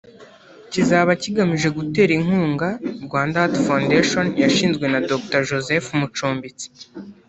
kizaba kigamije gutera inkunga « Rwanda Heart Foundation » yashinzwe na Dr Joseph Mucumbitsi